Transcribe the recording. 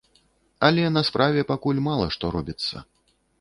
Але на справе пакуль мала што робіцца.